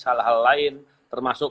hal hal lain termasuk